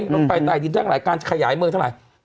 รถไฟได้ดินทั้งหลายการขยายเมืองทั้งหลาย